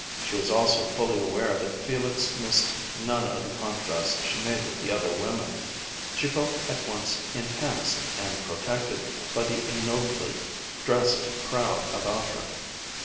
She was also fully aware that Felix missed none of the contrast she made with the other women. She felt at once enhanced and protected by the ignobly dressed crowd about her.